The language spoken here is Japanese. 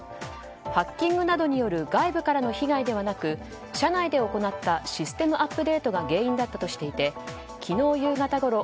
ハッキングなどによる外部からの被害ではなく社内で行ったシステムアップデートが原因だったとしていて昨日夕方ごろ